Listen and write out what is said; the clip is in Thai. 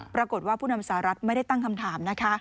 ปรากฏว่าผู้นำสหรัฐไม่ได้ตั้งคำถามนะคะ